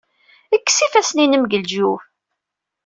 Kkes ifassen-im seg leǧyub.